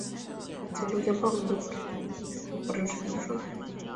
而目前则多将暴龙的步态重建成与地面保持水平的状态。